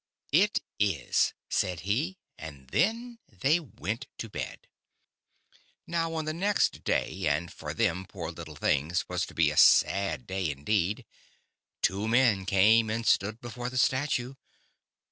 "It is," said he, and then they went to bed. Now on the next day, and for them, poor little things, 't was to be a sad day indeed, two men came and stood before the Statue.